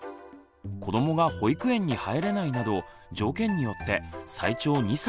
子どもが保育園に入れないなど条件によって最長２歳まで取得できます。